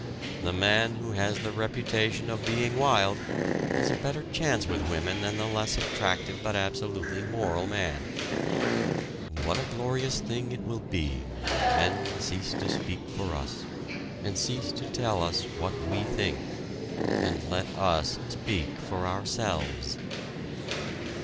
The man who has the reputation of having been wild has a better chance with women than the less attractive but absolutely moral man." What a glorious thing it will be when men cease to speak for us, and cease to tell us what we think, and let us speak for ourselves!